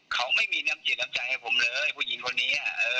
เขาไม่มีน้ำจิตน้ำใจให้ผมเลยผู้หญิงคนนี้